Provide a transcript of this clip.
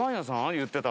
言ってた。